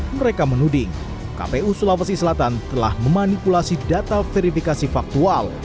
mereka menuding kpu sulawesi selatan telah memanipulasi data verifikasi faktual